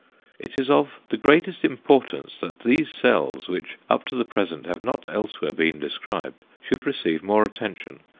It is of the greatest importance that these cells, which up to the present have not elsewhere been described, should receive more attention.